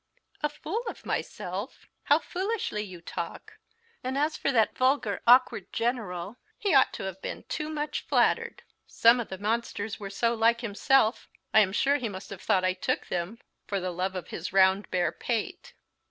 "A fool of myself! how foolishly you talk! and as for that vulgar, awkward General, he ought to have been too much flattered. Some of the monsters were so like himself, I am sure he must have thought I took them for the love of his round bare pate."